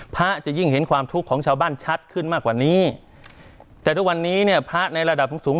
พระจะยิ่งเห็นความทุกข์ของชาวบ้านชัดขึ้นมากกว่านี้แต่ทุกวันนี้เนี่ยพระในระดับสูงสูง